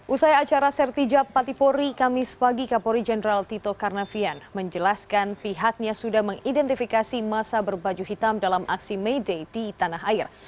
usai acara sertijab patipori kamis pagi kapolri jenderal tito karnavian menjelaskan pihaknya sudah mengidentifikasi masa berbaju hitam dalam aksi may day di tanah air